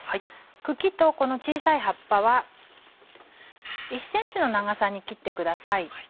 茎とこの小さい葉っぱは１ｃｍの長さに切ってください。